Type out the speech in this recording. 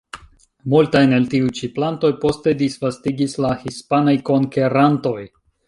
Multajn el tiuj ĉi plantoj poste disvastigis la hispanaj konkerantoj.